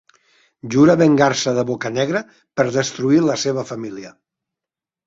Jura venjar-se de Boccanegra per destruir la seva família.